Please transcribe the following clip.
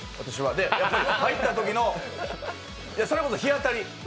入ったときのそれこそ日当たり。